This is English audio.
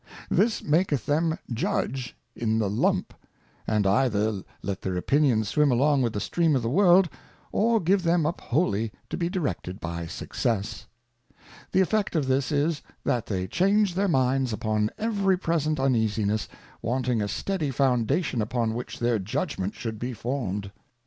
This maketh them judge in the Lump, and either let their Opinions swim along with the Stream of the World, or give them up wholly to be directed by Success. The effect of this is, that they change their Minds upon every present uneasiness, wanting a steady Foundation upon which their Judgment should be formed.